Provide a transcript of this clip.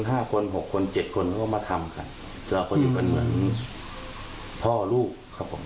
ห้าคนหกคนเจ็ดคนเขาก็มาทำกันเราก็อยู่กันเหมือนพ่อลูกครับผม